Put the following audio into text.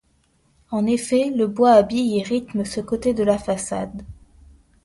En effet, le bois habille et rythme ce côté de la façade.